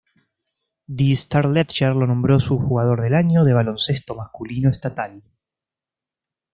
The Star-Ledger lo nombró su jugador del año de baloncesto masculino estatal.